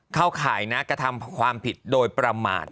ข่ายนะกระทำความผิดโดยประมาท